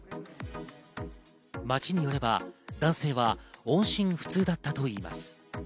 町によれば、男性は音信不通だったといいます。